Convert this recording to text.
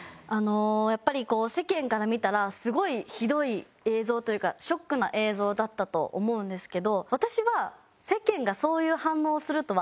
やっぱりこう世間から見たらすごいひどい映像というかショックな映像だったと思うんですけど私は。